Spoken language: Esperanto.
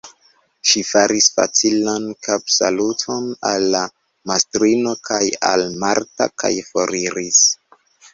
Ŝi faris facilan kapsaluton al la mastrino kaj al Marta kaj foriris.